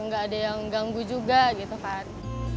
nggak ada yang ganggu juga gitu kan